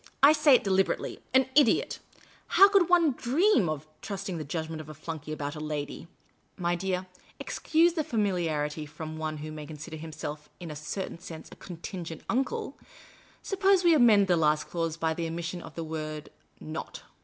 I say it deliberately — an idiot ! How could one dream of trusting the judgment of a flunkey about a lady ? My dear — excuse the familiarity from one who may consider himself in a certain sense a contingent uncle — suppose we amend the last clause by the omission of the word not.